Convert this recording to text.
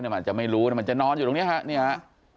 มันอาจจะไม่รู้นะมันจะนอนอยู่ตรงนี้ฮะเนี่ยฮะ